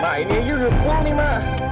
ma ini aja udah pul nih ma